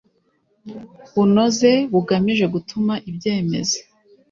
bunoze bugamije gutuma ibyemezo